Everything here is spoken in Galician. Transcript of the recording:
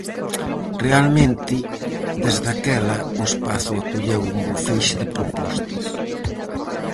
Realmente, desde aquela o espazo acolleu un bo feixe de propostas.